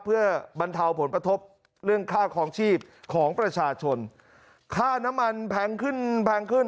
เพื่อบรรเทาผลกระทบเรื่องค่าคลองชีพของประชาชนค่าน้ำมันแพงขึ้นแพงขึ้น